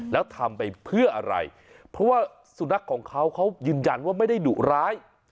แล้วทำไปเพื่ออะไรเพราะว่าสุนัขของเขาเขายืนยันว่าไม่ได้ดุร้าย